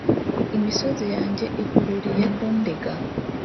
imisozi yanjye ihururiye kundega